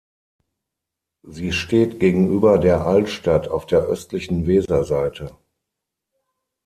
Sie steht gegenüber der Altstadt auf der östlichen Weserseite.